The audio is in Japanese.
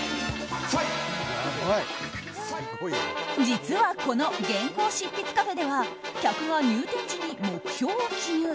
実は、この原稿執筆カフェでは客が入店時に目標を記入。